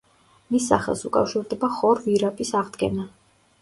მის სახელს უკავშირდება ხორ-ვირაპის აღდგენა.